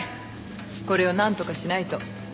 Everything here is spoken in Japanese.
これをなんとかしないと。